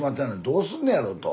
どうすんのやろと。